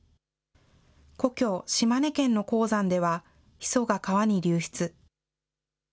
故郷、島根県の鉱山では、ヒ素が川に流出。